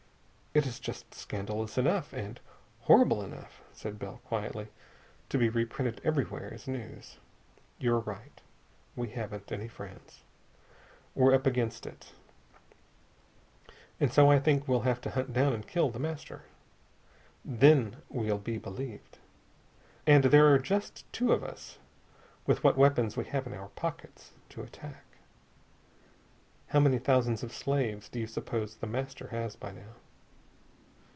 "It is just scandalous enough and horrible enough," said Bell quietly, "to be reprinted everywhere as news. You're right. We haven't any friends. We're up against it. And so I think we'll have to hunt down and kill The Master. Then we'll be believed. And there are just two of us, with what weapons we have in our pockets, to attack. How many thousands of slaves do you suppose The Master has by now?"